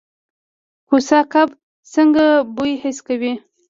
کوسه کب څنګه بوی حس کوي؟